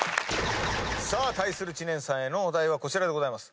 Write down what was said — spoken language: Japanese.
さあ対する知念さんへのお題はこちらでございます。